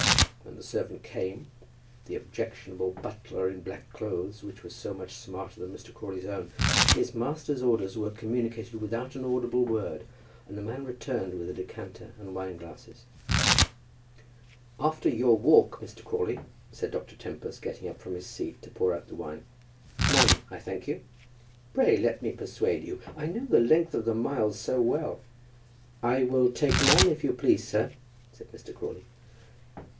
When the servant came, the objectionable butler in black clothes that were so much smarter than Mr. Crawley's own, his master's orders were communicated without any audible word, and the man returned with a decanter and wine glasses. "After your walk, Mr. Crawley," said Dr. Tempest, getting up from his seat to pour out the wine. "None, I thank you." "Pray let me persuade you. I know the length of the miles so well." "I will take none, if you please, sir," said Mr. Crawley.